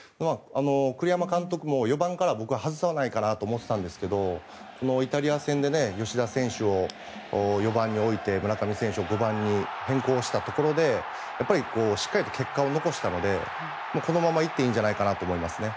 栗山監督も４番からは外さないかなと思っていたんですけどイタリア戦で吉田選手を４番に置いて村上選手を５番に変更したところでしっかり結果を残したのでこのままいっていいんじゃないかと思いますね。